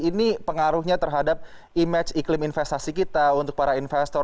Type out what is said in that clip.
ini pengaruhnya terhadap image iklim investasi kita untuk para investor